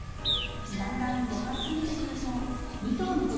だんだん度が過ぎてくると。